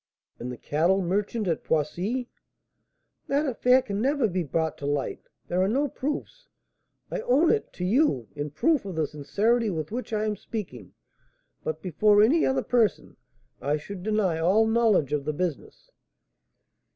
"And the cattle merchant at Poissy?" "That affair can never be brought to light, there are no proofs. I own it to you, in proof of the sincerity with which I am speaking, but before any other person I should deny all knowledge of the business."